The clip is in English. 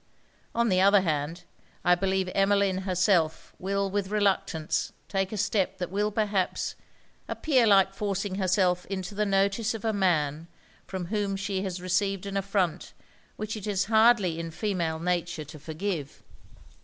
On the other hand, I believe Emmeline herself will with reluctance take a step that will perhaps, appear like forcing herself into the notice of a man from whom she has received an affront which it is hardly in female nature to forgive.'